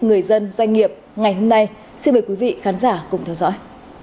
người dân doanh nghiệp ngày hôm nay xin mời quý vị khán giả cùng theo dõi